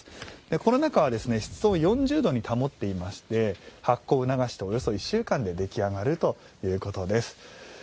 この中は４０度に保たれてまして発酵を促して、およそ１週間で出来上がるということです。